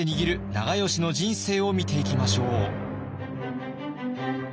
長慶の人生を見ていきましょう。